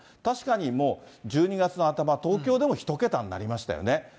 確かに、もう１２月の頭、東京でも１桁になりましたよね。